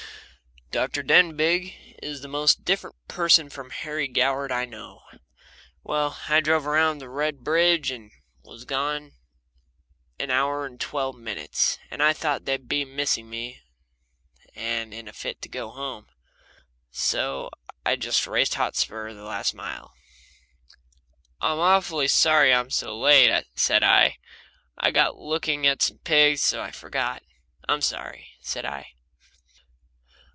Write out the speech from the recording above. Dr. Denbigh is the most different person from Harry Goward I know. Well, I drove round by the Red Bridge, and was gone an hour and twelve minutes, and I thought they'd be missing me and in a fit to get home, so I just raced Hotspur the last mile. "I'm awfully sorry I'm so late," said I. "I got looking at some pigs, so I forgot. I'm sorry," said I.